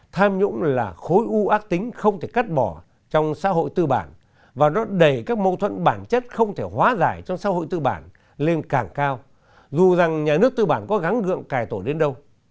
tham nhũng là khối u ác tính không thể cắt bỏ trong xã hội tư bản và nó đầy các mâu thuẫn bản chất không thể hóa giải trong xã hội tư bản lên càng cao dù rằng nhà nước tư bản có gắng gượng cài tổ đến đâu